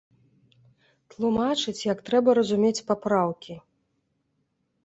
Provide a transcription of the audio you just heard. Тлумачыць, як трэба разумець папраўкі.